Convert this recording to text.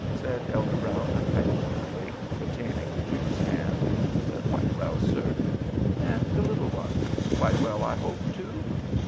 said Elder Brown, affectionately retaining the Jew's hand. "Quite well, sir." "And the little ones—quite well, I hope, too?"